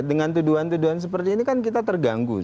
dengan tuduhan tuduhan seperti ini kan kita terganggu